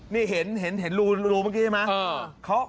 นี่เห็นรูเมื่อกี้ใช่ไหม